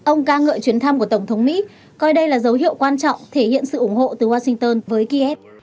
ông ca ngợi chuyến thăm của tổng thống mỹ coi đây là dấu hiệu quan trọng thể hiện sự ủng hộ từ washington với kiev